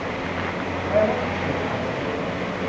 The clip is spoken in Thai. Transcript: แปลว่าขี้เกียจอ่านนั่นเอง